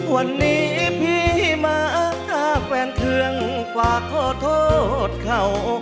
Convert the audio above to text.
วันนี้พี่มาฝากแฟนเทืองฝากขอโทษเขา